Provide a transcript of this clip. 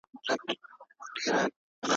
هغه ښځه چې چای یې راوړ، لور وه.